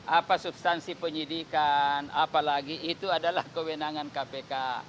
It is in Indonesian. apa substansi penyidikan apalagi itu adalah kewenangan kpk